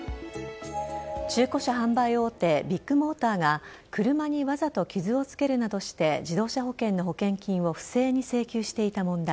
中古車販売大手ビッグモーターが車にわざと傷を付けるなどして自動車保険の保険金を不正に請求していた問題。